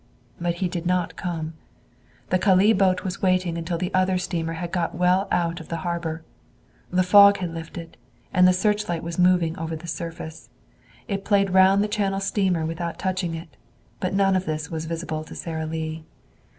But he did not come. The Calais boat was waiting until the other steamer had got well out of the harbor. The fog had lifted, and the searchlight was moving over the surface. It played round the channel steamer without touching it. But none of this was visible to Sara Lee.